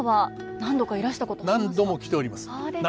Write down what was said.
何度も来ております。